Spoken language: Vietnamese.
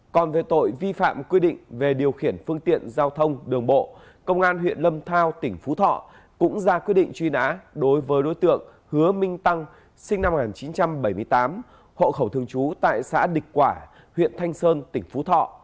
còn về tội vi phạm quy định về điều khiển phương tiện giao thông đường bộ công an huyện lâm thao tỉnh phú thọ cũng ra quyết định truy nã đối với đối tượng hứa minh tăng sinh năm một nghìn chín trăm bảy mươi tám hộ khẩu thường trú tại xã địch quả huyện thanh sơn tỉnh phú thọ